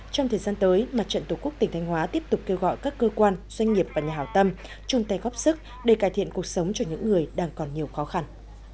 trong thời gian tới mặt trận tổ quốc tỉnh thanh hóa tiếp tục kêu gọi các cơ quan doanh nghiệp và nhà hào tâm chung tay góp sức để cải thiện cuộc sống cho những người đang còn nhiều khó khăn